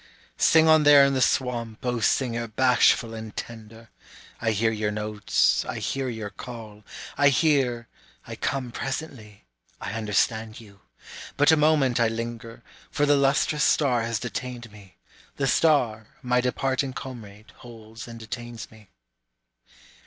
Sing on there in the swamp, O singer bashful and tender! I hear your notes, I hear your call, I hear, I come presently, I understand you; But a moment I linger, for the lustrous star has detained me, The star my departing comrade holds and detains me.